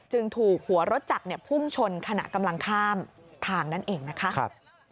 ถูกหัวรถจักรพุ่งชนขณะกำลังข้ามทางนั่นเองนะคะ